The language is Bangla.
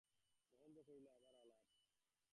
মহেন্দ্র কহিল, আবার আলাপ!